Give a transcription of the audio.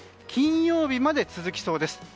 金曜日まで続きそうです。